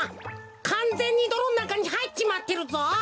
かんぜんにどろんなかにはいっちまってるぞ。